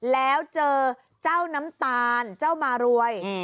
แล้วเจอเจ้าน้ำตาลเจ้ามารวย